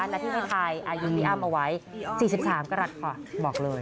และที่ให้ถ่ายอายุที่อ้ำเอาไว้๔๓กรัฐกว่าหมอกเลย